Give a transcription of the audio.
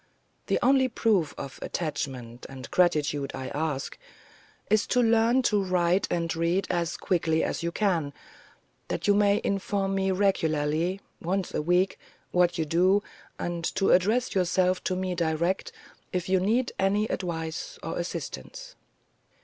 The only proof of attachment and gratitude I ask, is to learn to write and read as quickly as you can, that you may inform me regularly, once a week, what you do, and to address yourself to me direct if you need any advice or assistance."